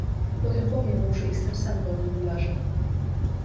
"Potem powiem mu, że jestem sam Wolnomularzem."